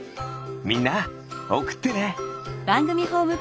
みんなおくってね！